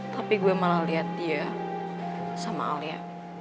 tapi gue malah lihat dia sama alia